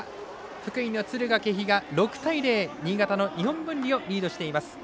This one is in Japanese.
福井の敦賀気比が６対０新潟の日本文理をリードしています。